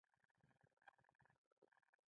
غوړې د پوستکي د ښه والي لپاره هم ګټورې دي.